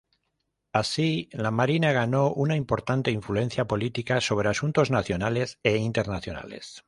Así, la Marina ganó una importante influencia política sobre asuntos nacionales e internacionales.